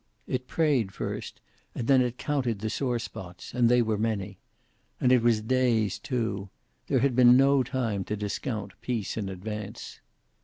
It prayed first, and then it counted the sore spots, and they were many. And it was dazed, too. There had been no time to discount peace in advance.